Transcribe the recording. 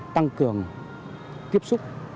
tăng cường tiếp xúc